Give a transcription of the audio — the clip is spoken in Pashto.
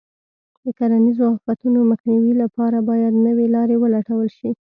د کرنیزو آفتونو مخنیوي لپاره باید نوې لارې ولټول شي.